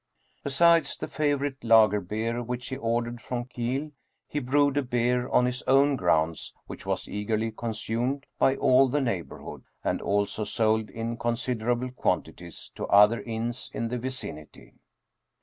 Besides the favorite lager beer which he ordered from Kiel, he brewed a beer on his own grounds which was eagerly consumed by all the neighborhood, and also sold in considerable quantities to other inns in the vicinity.